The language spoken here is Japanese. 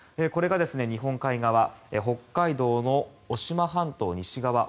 これが日本海側北海道の渡島半島西側